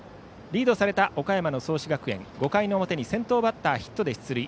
リードされた岡山の創志学園５回の表に先頭バッター、ヒットで出塁。